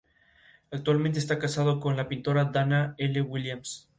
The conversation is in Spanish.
Actualmente está casado con la pintora Dana L. Williams.